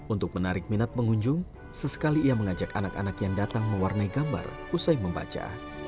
untuk menarik minat pengunjung sesekali ia mengajak anak anak yang datang mewarnai gambar usai membaca